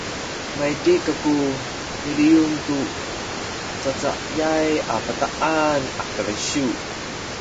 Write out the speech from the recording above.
maydih kaku miliyun tu cacayay a bataan a kalisiw